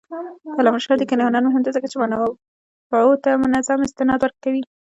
د علامه رشاد لیکنی هنر مهم دی ځکه چې منابعو ته منظم استناد کوي.